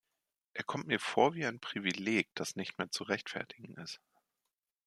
Er kommt mir vor wie ein Privileg, das nicht mehr zu rechtfertigen ist.